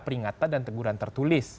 peringatan dan teguran tertulis